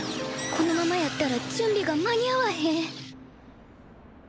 このままやったら準備が間に合わへん。